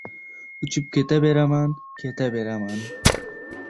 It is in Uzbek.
Uchib keta beraman, keta beraman.